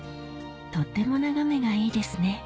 とっても眺めがいいですね